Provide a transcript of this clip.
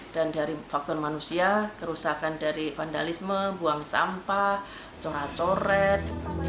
dan dari faktor manusia kerusakan dari vandalisme buang sampah corak coret